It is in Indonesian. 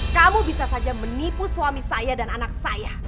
kamu bisa saja menipu suami saya dan anak saya